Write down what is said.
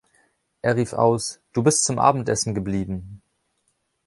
Er rief aus "Du bist zum Abendessen geblieben!".